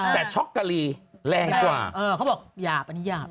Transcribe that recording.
แต่ช็อกกะลีแรงกว่าเออเขาบอกหยาบอันนี้หยาบ